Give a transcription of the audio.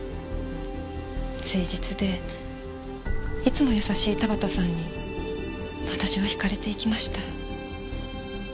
誠実でいつも優しい田端さんに私は惹かれていきました。